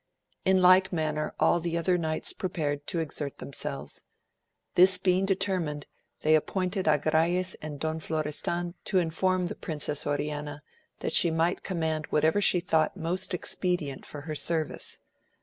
In like manner all the other knights prepared to exert themselves. This being determined they appointed Agrayes and Don Florestan to inform the Princess Oriana, that she might command whatever she thought most expedient for^her service.